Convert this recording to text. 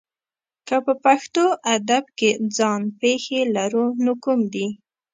که په پښتو ادب کې ځان پېښې لرو نو کوم دي؟